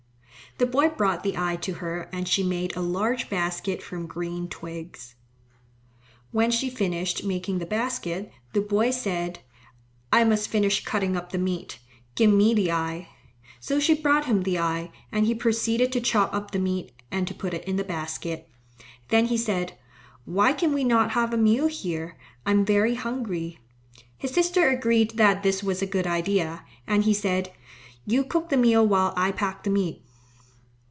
The boy brought the eye to her and she made a large basket from green twigs. When she had finished making the basket the boy said, "I must finish cutting up the meat. Give me the eye." So she brought him the eye, and he proceeded to chop up the meat and to put it in the basket. Then he said, "Why can we not have a meal here? I am very hungry." His sister agreed that this was a good idea, and he said, "You cook the meal while I pack the meat."